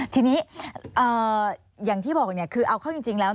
ทีนี้อย่างที่บอกคือเอาเข้าจริงแล้ว